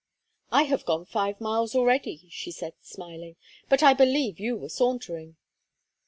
"I have gone five miles already," she said, smiling. "But I believe you were sauntering."